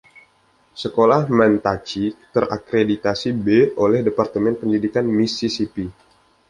Sekolah Mantachie terakreditasi "B" oleh Departemen Pendidikan Mississippi.